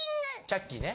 チャッキーね。